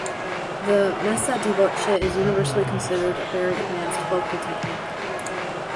The "messa di voce" is universally considered a very advanced vocal technique.